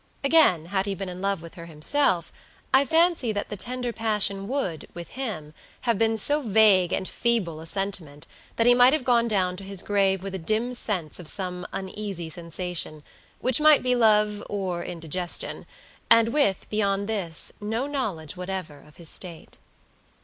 Again, had he been in love with her himself, I fancy that the tender passion would, with him, have been so vague and feeble a sentiment that he might have gone down to his grave with a dim sense of some uneasy sensation which might be love or indigestion, and with, beyond this, no knowledge whatever of his state.